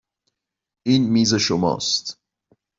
این میز شماست.